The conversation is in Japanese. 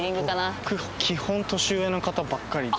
僕基本年上の方ばっかりで。